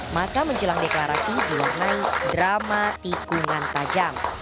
masa menjelang deklarasi diwarnai drama tikungan tajam